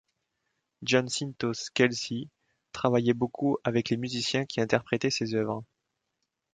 Giacinto Scelsi travaillait beaucoup avec les musiciens qui interprétaient ses œuvres.